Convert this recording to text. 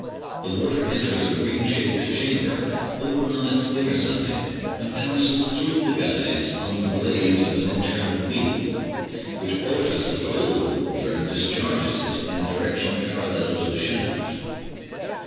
The water enters a ring shaped chamber, open on its inner side, and passes through guides on to the blades of an internal wheel, which alters the flow of the water and discharges it in a direction parallel to the shaft.